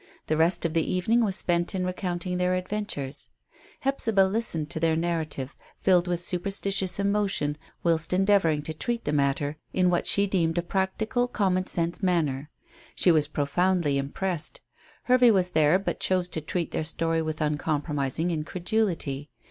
The rest of the evening was spent in recounting their adventures. Hephzibah listened to their narrative, filled with superstitious emotion whilst endeavouring to treat the matter in what she deemed a practical, common sense manner. She was profoundly impressed. Hervey was there, but chose to treat their story with uncompromising incredulity.